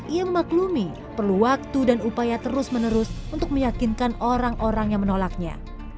ia memaklumi perlu waktu dan upaya terus menerus untuk meyakinkan orang orang yang menolaknya